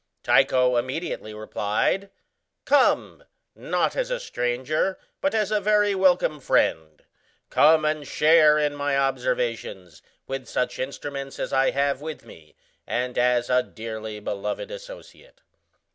Tycho immediately replied, "Come, not as a stranger, but as a very welcome friend; come and share in my observations with such instruments as I have with me, and as a dearly beloved associate."